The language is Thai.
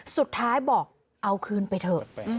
สุดท้ายบอกเอาคืนไปเถอะ